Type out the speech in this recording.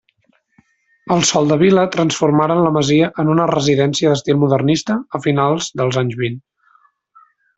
Els Soldevila transformaren la masia en una residència d'estil modernista a finals dels anys vint.